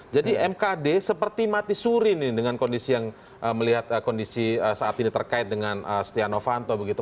jadi mkd seperti mati suri nih dengan kondisi yang melihat kondisi saat ini terkait dengan setia novanto begitu